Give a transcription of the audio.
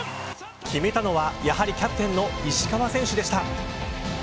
決めたのは、やはりキャプテンの石川選手でした。